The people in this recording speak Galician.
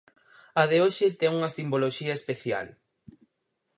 A de hoxe ten unha simboloxía especial.